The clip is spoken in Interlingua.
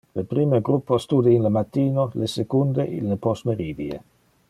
Le prime gruppo stude in le matino, le secunde in le postmeridie.